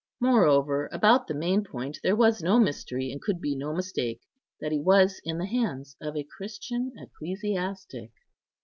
Moreover, about the main point there was no mystery, and could be no mistake, that he was in the hands of a Christian ecclesiastic.